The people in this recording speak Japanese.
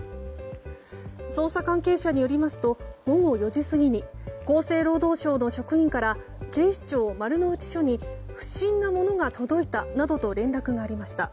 捜査関係者によりますと午後４時過ぎに厚生労働省の職員から警視庁丸の内署に不審なものが届いたなどと連絡がありました。